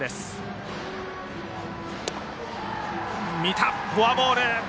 見た、フォアボール！